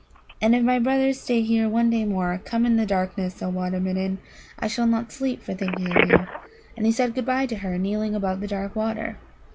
"And if my brothers stay here one day more, come in the darkness, O Water midden; I shall not sleep for thinking of you." And he said good bye to her, kneeling above the dark water.